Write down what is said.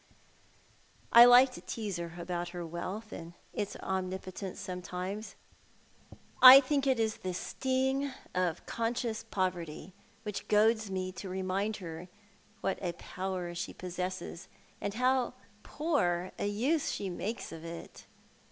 I like to tease her abox .t her wealth and its omnipotence sometimes. I think it is the sting of conscious poverty which goads me to remind her what a power she possesses, and how poor a use she makes of it.